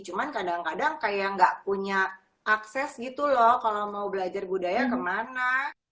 cuman kadang kadang kayak gak punya akses gitu loh kalau mau belajar budaya kemana